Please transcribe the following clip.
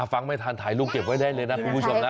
ฟังไม่ทันถ่ายรูปเก็บไว้ได้เลยนะคุณผู้ชมนะ